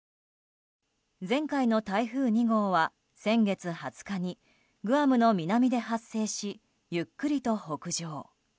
前回の台風２号は先月２０日にグアムの南で発生しゆっくりと北上。